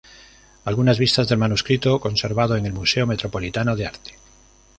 Algunas vistas del manuscrito conservado en el Museo Metropolitano de Arte